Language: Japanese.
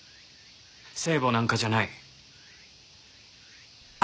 聖母なんかじゃない。